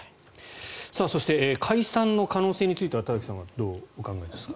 そして解散の可能性については田崎さんはどうお考えですか？